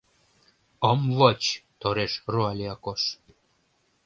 — Ом воч! — тореш руале Акош.